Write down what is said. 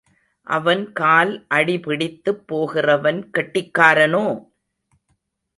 அவன் கால் அடிபிடித்துப் போகிறவன் கெட்டிக்காரனோ?